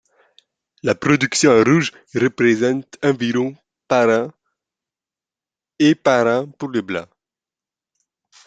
La production en rouge représente environ par an et par an pour le blanc.